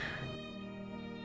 jadi pendonor untuk mama